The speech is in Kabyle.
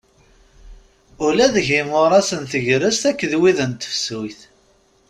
Ula deg yimuras n tegrest akked wid n tefsut.